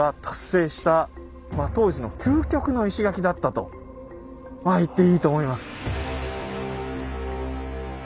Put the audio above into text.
と言っていいと思います。